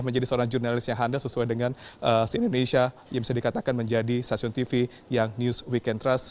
menjadi seorang jurnalis yang handal sesuai dengan si indonesia yang bisa dikatakan menjadi stasiun tv yang news weekend trust